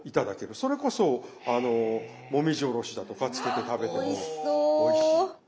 それこそあのもみじおろしだとかつけて食べてもおいしい。